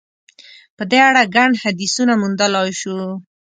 په دې اړه ګڼ حدیثونه موندلای شو.